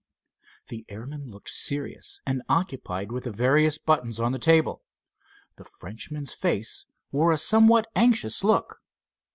The airman looked serious and occupied with the various buttons on the table. The Frenchman's face wore a somewhat anxious look.